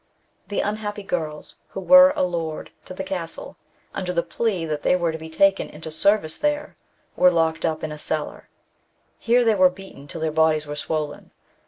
The unhappy girls who were allured to the castle, under the plea that they were to be taken into service there, were locked up in a cellar. Here they were beaten till their bodies were swollen.